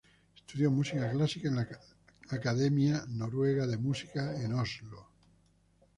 Estudió música clásica en la Academia Noruega de Música, en Oslo.